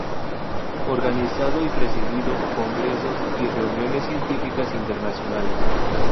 Organizado y presidido congresos y reuniones científicas internacionales.